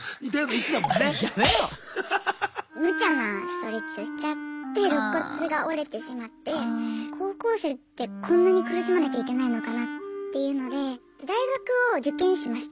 ちょうどむちゃなストレッチをしちゃってろっ骨が折れてしまって高校生ってこんなに苦しまなきゃいけないのかなっていうので大学を受験しました。